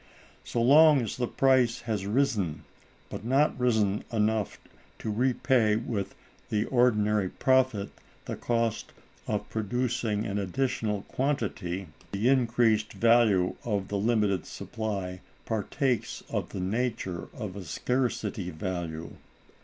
So long as the price has risen, but not risen enough to repay with the ordinary profit the cost of producing an additional quantity, the increased value of the limited supply partakes of the nature of a scarcity value.